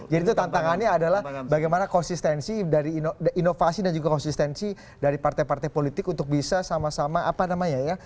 jadi itu tantangannya adalah bagaimana konsistensi dari inovasi dan juga konsistensi dari partai partai politik untuk bisa sama sama apa namanya ya